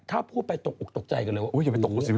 ถ้าพูดไปตกตกใจกันเลยว่า